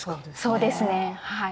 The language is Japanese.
そうですねはい。